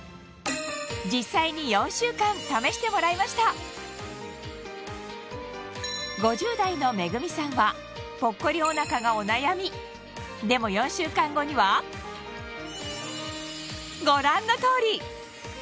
実際に４週間試してもらいました５０代のめぐみさんはぽっこりおなかがお悩みでも４週間後にはご覧の通り！